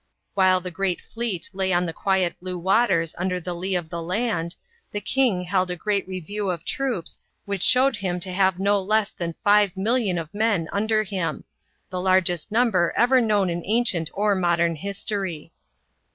While the great fleet lay on the quiet blue waters under the lee of the land, the king heXi a great review of troops, which showed him to have no less than five million of men under him the largest number, ever known in ancient or modern history.